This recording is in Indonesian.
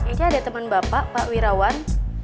ini ada teman bapak pak wirawan